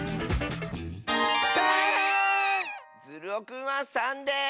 ３！ズルオくんは３です！